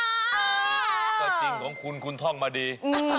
ก็จริงของคุณคุณท่องมาดี